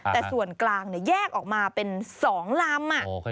แต่ส่วนกลางแยกออกมาเป็น๒ลำ